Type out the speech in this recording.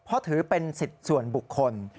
เพราะถือเป็นสิทธิ์ส่วนบุคคล